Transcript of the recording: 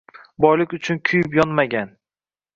Boylik uchun kuyib yonmagan